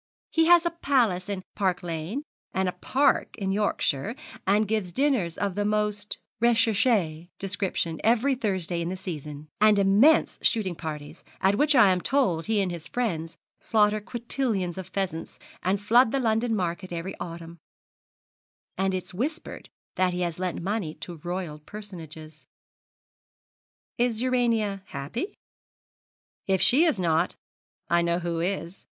He has a palace in Park Lane, and a park in Yorkshire; gives dinners of a most recherché description every Thursday in the season; and immense shooting parties, at which I am told he and his friends slaughter quintillions of pheasants, and flood the London market every autumn; and it is whispered that he has lent money to royal personages.' 'Is Urania happy?' 'If she is not, I know who is.